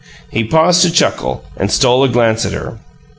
He paused to chuckle, and stole a glance at her.